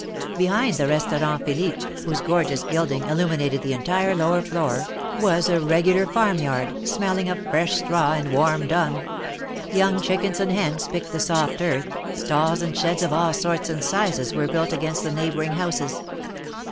Behind the Restaurant Philippe, whose gorgeous gilding illuminated the entire lower floor, was a regular farm yard, smelling of fresh straw and warm dung; young chickens and hens picked the soft earth, stalls and sheds THE MARKETS OF PARIS. 211 of all sorts and sizes were built against the neighboring houses.